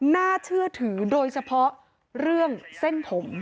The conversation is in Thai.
น่าเชื่อถือโดยเฉพาะเรื่องเส้นผม